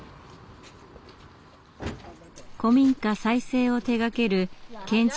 古民家再生を手がける建築